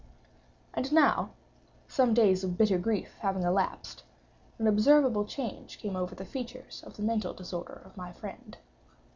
And now, some days of bitter grief having elapsed, an observable change came over the features of the mental disorder of my friend.